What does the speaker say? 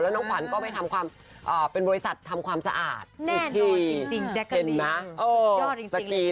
และน้องขวานก็เป็นบุริษัททำความสะอาดที่ที่